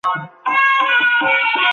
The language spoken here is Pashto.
د وارداتو کمښت توکي ډېر ګران کړل.